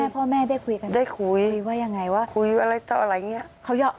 พ่อแม่ได้คุยกันไหมครับได้คุยคุยว่ายังไงว่าคุยว่าอะไรเจ้าอะไรอย่างนี้